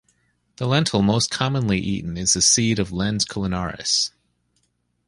The lentil most commonly eaten is the seed of "Lens culinaris".